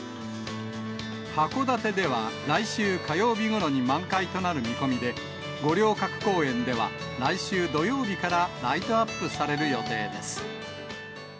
函館では来週火曜日ごろに満開となる見込みで、五稜郭公園では、来週土曜日からライトアップされる予定です。